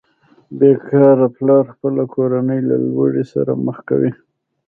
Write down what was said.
بې کاره پلار خپله کورنۍ له لوږې سره مخ کوي